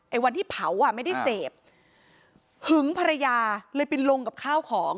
วันที่เผาอ่ะไม่ได้เสพหึงภรรยาเลยไปลงกับข้าวของ